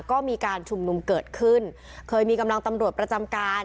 ก็มีการชุมนุมเกิดขึ้นเคยมีกำลังตำรวจประจำการ